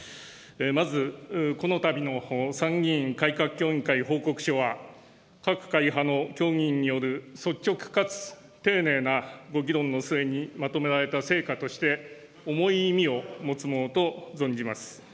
まず、このたびの参議院改革協議会報告書は、各会派の協議員による率直かつ丁寧なご議論の末にまとめられた成果として、重い意味を持つものと存じます。